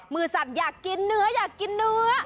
สัตว์อยากกินเนื้ออยากกินเนื้อ